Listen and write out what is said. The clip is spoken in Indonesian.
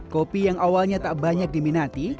kopi yang awalnya tak banyak diminati